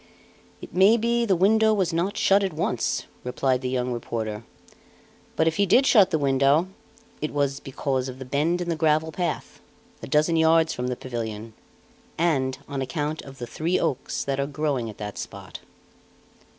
"It may be the window was not shut at once," replied the young reporter. "But if he did shut the window, it was because of the bend in the gravel path, a dozen yards from the pavilion, and on account of the three oaks that are growing at that spot."